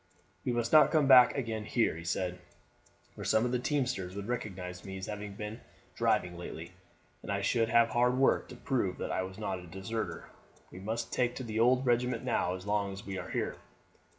"We must not come back again here," he said, "for some of the teamsters would recognize me as having been driving lately, and I should have hard work to prove that I was not a deserter; we must take to the old regiment now as long as we are here."